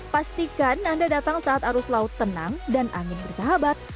pastikan anda datang saat arus laut tenang dan angin bersahabat